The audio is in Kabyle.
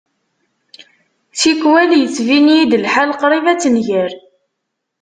Tikwal yettbin-iyi-d lḥal qrib ad tenger.